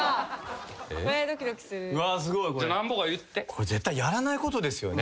これ絶対やらないことですよね。